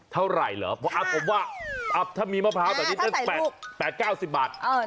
เท่าไหร่เหรอผมว่าถ้ามีมะพร้าวแบบนี้จะ๘๙๐บาท